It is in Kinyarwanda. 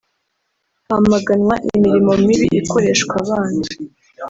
hamaganwa imirimo mibi ikoreshwa abana